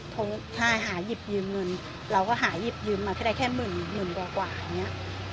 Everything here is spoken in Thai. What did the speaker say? หาหยิบยืมเงินเราก็หาหยิบยืมมาแค่ได้แค่หมื่นหมื่นกว่าอย่างนี้